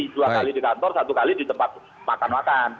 dua kali di kantor satu kali di tempat makan makan